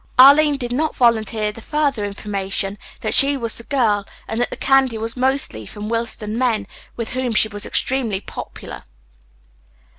Arline did not volunteer the further information that she was the "girl" and that the candy was mostly from Willston men, with whom she was extremely popular.